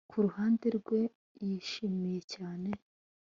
Kuruhande rwe yishimye cyane